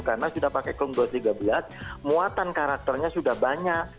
karena sudah pakai kurikulum dua ratus tiga belas muatan karakternya sudah banyak